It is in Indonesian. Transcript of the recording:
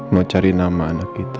mau cari nama anak kita